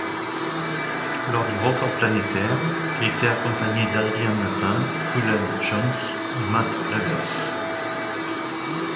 Lors du record planétaire, il était accompagné d'Adrian Nathan, Cullen Jones et Matt Grevers.